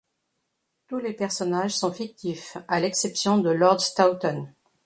Tous les personnages sont fictifs, à l'exception de Lord Staunton.